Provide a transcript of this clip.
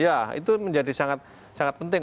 ya itu menjadi sangat penting